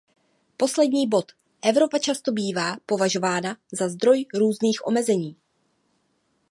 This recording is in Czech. Poslední bod, Evropa často bývá považována za zdroj různých omezení.